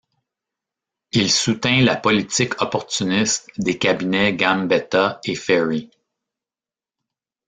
Il soutint la politique opportuniste des cabinets Gambetta et Ferry.